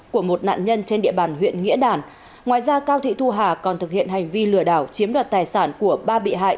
từ đầu năm hai nghìn hai mươi hai đến nay đối tượng cao thị thu hà đã thực hiện bốn vụ lừa đảo chiếm đoạt tài sản của các bị hại